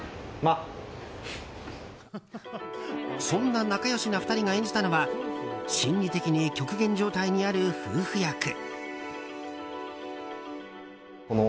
そんな仲良しな２人が演じたのは心理的に極限状態にある夫婦役。